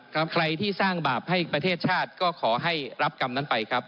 ใครที่สร้างบาปให้ประเทศชาติก็ขอให้รับกรรมนั้นไปครับ